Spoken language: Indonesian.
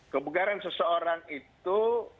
kebugaran seseorang itu